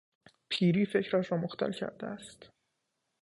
پیری، فکرش را مختل کرده است.